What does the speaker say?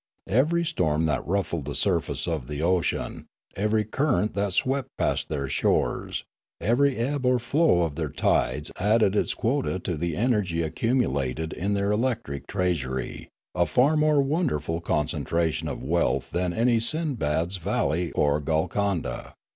Every storm that ruffled the surface of the ocean, every current that swept past their shores, every ebb or flow of their tides added its quota to the energy accumulated in their electric treasury, a far more won derful concentration of wealth than any Sindbad's val ley or Golconda.